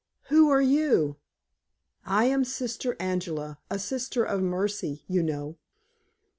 "Who are you?" "I am Sister Angela; a Sister of Mercy, you know."